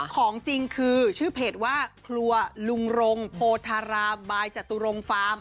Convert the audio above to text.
ของจริงคือชื่อเพจว่าครัวลุงรงโพธารามบายจตุรงฟาร์ม